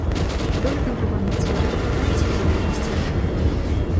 Доля кантрабандных цыгарэт вагаецца ў залежнасці ад рэгіёна.